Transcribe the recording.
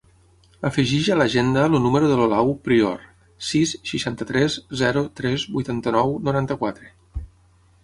Afegeix a l'agenda el número de l'Olau Prior: sis, seixanta-tres, zero, tres, vuitanta-nou, noranta-quatre.